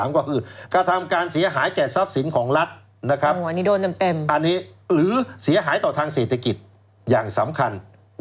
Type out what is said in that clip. ก็คือกระทำการเสียหายแก่ทรัพย์สินของรัฐโดนเต็มอันนี้หรือเสียหายต่อทางเศรษฐกิจอย่างสำคัญ